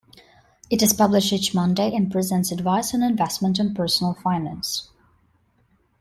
It is published each Monday and presents advice on investment and personal finance.